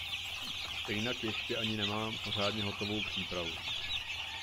Stejnak ještě ani nemám pořadně hotovou přípravu.